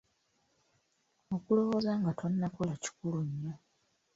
Okulowooza nga tonnakola kikulu nnyo.